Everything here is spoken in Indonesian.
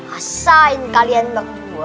asahin kalian berdua